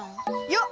よっ！